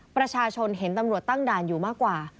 ประชาชนเห็นตำรวจตั้งด่านอยู่มากกว่า